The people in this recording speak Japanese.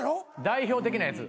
代表的なやつ。